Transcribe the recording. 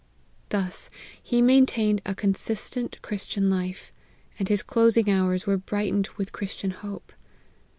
Thus he maintained a consistent Christian life, and his closing hours were brightened with Chris tian hope.